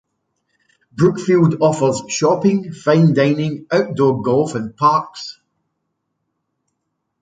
Brookfield offers shopping, fine dining, outdoor golf and parks.